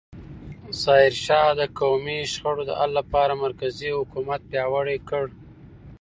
ظاهرشاه د قومي شخړو د حل لپاره مرکزي حکومت پیاوړی کړ.